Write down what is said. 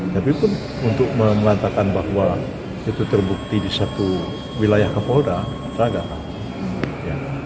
tapi itu untuk mengatakan bahwa itu terbukti di satu wilayah kapoda ragak lah